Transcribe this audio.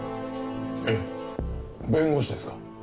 えっ弁護士ですか？